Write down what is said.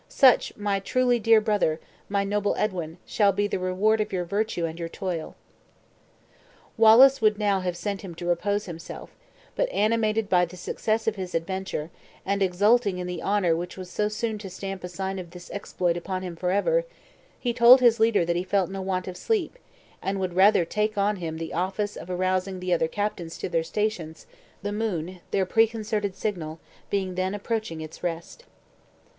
Such, my truly dear brother, my noble Edwin, shall be the reward of your virtue and your toil." Wallace would now have sent him to respose himself; but animated by the success of his adventure, and exulting in the honor which was so soon to stamp a sign of this exploit upon him forever, he told his leader that he felt no want of sleep, and would rather take on him the office of arousing the other captains to their stations, the moon, their preconcerted signal, being then approaching its rest.